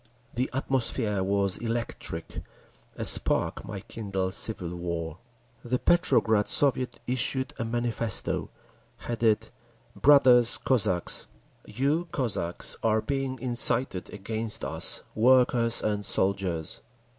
The atmosphere was electric; a spark might kindle civil war. The Petrograd Soviet issued a manifesto, headed "Brothers—Cossacks!" You, Cossacks, are being incited against us, workers and soldiers.